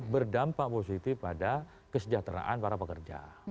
berdampak positif pada kesejahteraan para pekerja